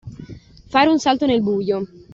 Fare un salto nel buio.